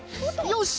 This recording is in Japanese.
よし！